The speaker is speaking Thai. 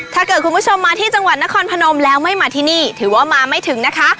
ถ้าเกิดคุณผู้ชมมาที่จังหวัดนครพนมแล้วไม่มาที่นี่ถือว่ามาไม่ถึงนะคะ